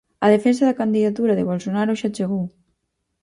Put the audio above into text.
A defensa da candidatura de Bolsonaro xa chegou.